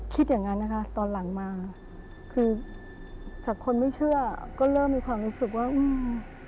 อย่างงั้นนะคะตอนหลังมาคือจากคนไม่เชื่อก็เริ่มมีความรู้สึกว่าอืม